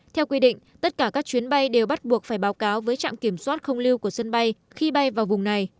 theo quy định tất cả các chuyến bay đều bắt buộc phải báo cáo với trạm kiểm soát không lưu của sân bay khi bay vào vùng này